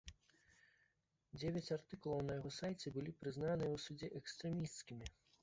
Дзевяць артыкулаў на яго сайце былі прызнаныя ў судзе экстрэмісцкімі.